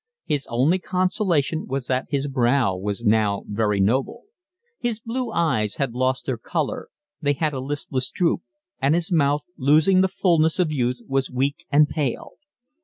His only consolation was that his brow was now very noble. His blue eyes had lost their colour; they had a listless droop; and his mouth, losing the fulness of youth, was weak and pale.